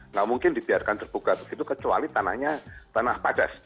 nggak mungkin dibiarkan terbuka begitu kecuali tanahnya tanah padas